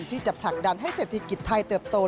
ที่จะผลักดันให้เศรษฐกิจไทยเติบโต